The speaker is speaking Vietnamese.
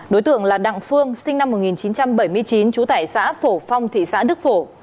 đối tượng là đặng phương sinh năm một nghìn chín trăm bảy mươi chín trú tại xã phổ phong thị xã đức phổ